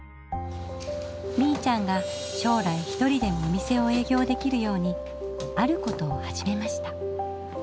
みいちゃんが将来ひとりでもお店を営業できるようにあることを始めました。